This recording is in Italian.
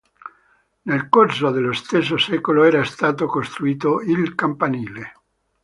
Nel corso dello stesso secolo era stato costruito il campanile.